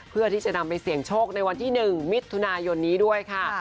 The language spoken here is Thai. เพื่อที่จะนำไปเสี่ยงโชคในวันที่๑มิถุนายนนี้ด้วยค่ะ